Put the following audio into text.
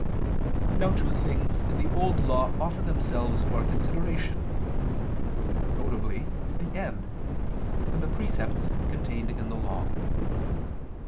Now two things in the Old Law offer themselves to our consideration: viz., the end, and the precepts contained in the Law.